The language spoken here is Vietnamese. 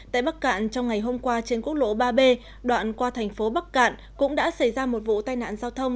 tại bắc cạn trong ngày hôm qua trên quốc lộ ba b đoạn qua thành phố bắc cạn cũng đã xảy ra một vụ tai nạn giao thông